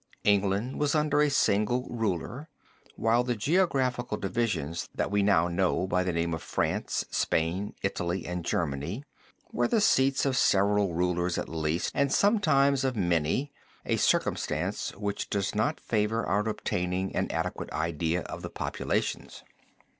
England was under a single ruler, while the geographical divisions that we now know by the name of France, Spain, Italy and Germany were the seats of several rulers at least and sometimes of many, a circumstance which does not favor our obtaining an adequate idea of the populations.